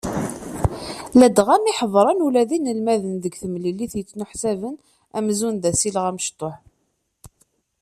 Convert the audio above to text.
Ladɣa mi ḥeḍren ula d inelmaden deg temlilit yettuneḥsaben amzun d asileɣ amecṭuḥ.